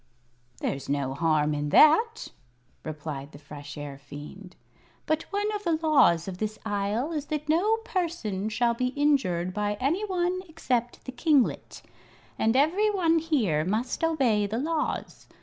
"There's no harm in that," replied the Fresh Air Fiend. "But one of the laws of this Isle is that no person shall be injured by any one except the kinglet. And every one here must obey the laws.